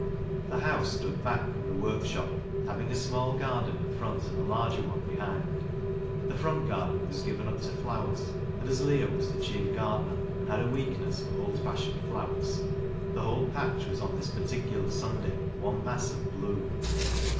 The house stood back from the LEAH'S LOVER 43 workshop, having a small garden in front and a larger one behind. The front garden was given up to flowers, and as Leah was chief gardener, and had a weakness for old fashioned flowers, the whole patch was on this particular Sunday one mass of bloom.